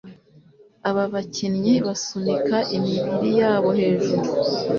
Aba bakinnyi basunika imibiri yabo hejuru